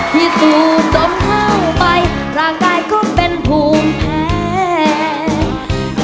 ที่ตูดดมเผ่าไปรากได้ก็เป็นภูมิแพ้